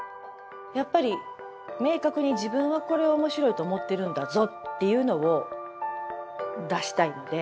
やっぱり明確に自分はこれは面白いと思ってるんだぞっていうのを出したいので。